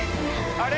あれ！